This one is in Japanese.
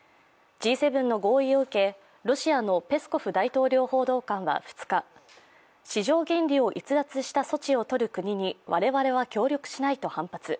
Ｇ７の合意を受け、ロシアのペスコフ大統領報道官は２日、市場原理を逸脱した措置をとる国に、我々は協力しないと反発。